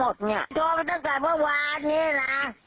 โดนตั้งแต่เมื่อวานนี้นะ